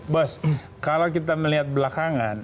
bos kalau kita melihat belakangan